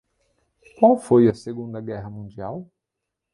Qual foi a Segunda Guerra Mundial?